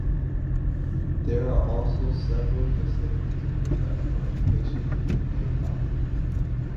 There are also several facilities of professional education in Maykop.